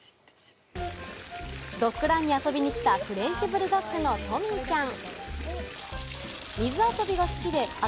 ドッグランに遊びに来たフレンチブルドッグのトミーちゃん。